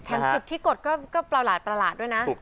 แถมจิบที่กดก็เปล่าหลากด้วยนะ